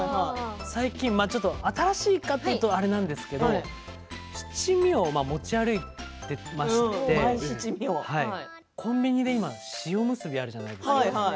最近、新しいかというとあれなんですけれど七味を持ち歩いていましてコンビニで今、塩むすびがあるじゃないですか